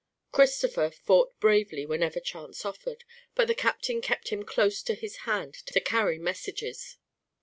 Christopher fought bravely whenever chance offered, but the captain kept him close to his hand to carry messages.